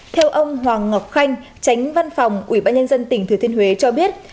theo ông hoàng ngọc khanh tránh văn phòng ủy ban nhân dân tỉnh thừa thiên huế cho biết